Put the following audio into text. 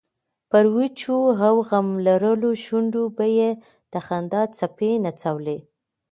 پر وچو او غم لړلو شونډو به یې د خندا څپې نڅولې.